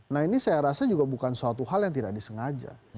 nah ini saya rasa juga bukan suatu hal yang tidak disengaja